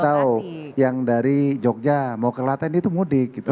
atau yang dari jogja mau ke laten itu mudik gitu